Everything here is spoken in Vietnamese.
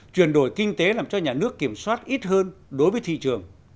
chuyển đổi kinh tế làm cho nhà nước kiểm soát ít hơn đối với thị trường